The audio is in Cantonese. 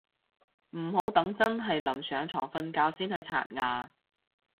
唔好等真係臨上床瞓覺先去刷牙